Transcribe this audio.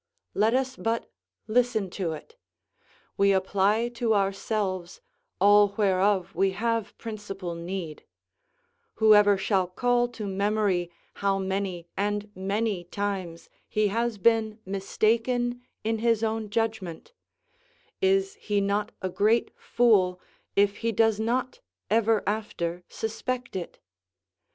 Let us but listen to it; we apply to ourselves all whereof we have principal need; whoever shall call to memory how many and many times he has been mistaken in his own judgment, is he not a great fool if he does not ever after suspect it?